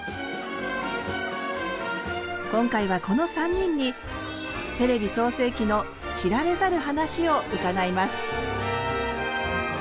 今回はこの３人にテレビ創成期の知られざる話を伺います。